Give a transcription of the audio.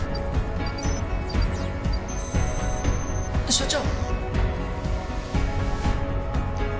所長。